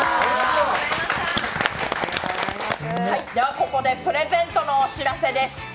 ここでプレゼントのお知らせです。